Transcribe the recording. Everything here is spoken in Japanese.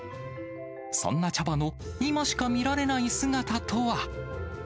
そんなチャパの、今しか見られない姿とは。